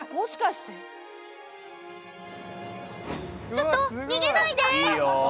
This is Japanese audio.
ちょっと逃げないで！